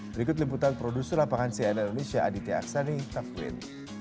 berikut limputan produser lapangan cnn indonesia aditya aksani tafwin